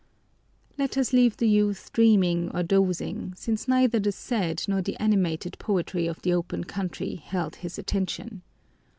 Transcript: Let us leave the youth dreaming or dozing, since neither the sad nor the animated poetry of the open country held his attention.